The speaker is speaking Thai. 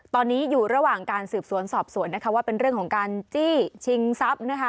ตอนนี้อยู่ระหว่างการสืบสวนสอบสวนนะคะว่าเป็นเรื่องของการจี้ชิงทรัพย์นะคะ